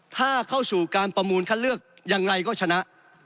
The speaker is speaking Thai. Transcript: ถ้าเข้าสู่การประมูลคัดเลือกยังไงก็ชนะ